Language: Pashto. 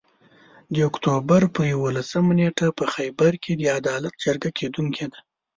د اُکټوبر پر یوولسمه نیټه په خېبر کې د عدالت جرګه کیدونکي ده